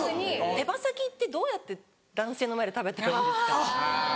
手羽先ってどうやって男性の前で食べたらいいですか？